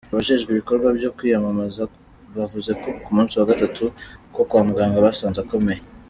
Abajejwe ibikorwa vyo kwiyamamaza bavuze ku musi wa gatatu ko kwa muganga basanze akomeye.